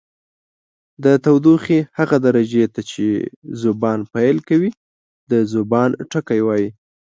د تودوخې هغه درجې ته چې ذوبان پیل کوي د ذوبان ټکی وايي.